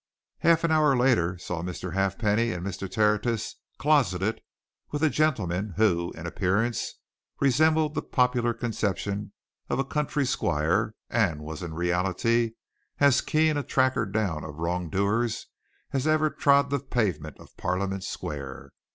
Half an hour later saw Mr. Halfpenny and Mr. Tertius closeted with a gentleman who, in appearance, resembled the popular conception of a country squire and was in reality as keen a tracker down of wrong doers as ever trod the pavement of Parliament Street.